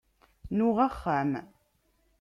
Nuɣ axxam.